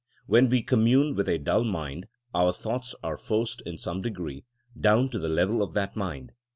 When we com mune with a dull mind, our thoughts are forced, in some degree, down to the level of that mind.